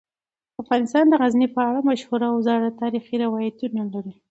افغانستان د غزني په اړه ډیر مشهور او زاړه تاریخی روایتونه لري.